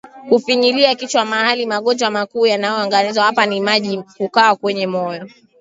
kufinyilia kichwa mahali Magonjwa makuu yanayoangaziwa hapa ni maji kujaa kwenye moyo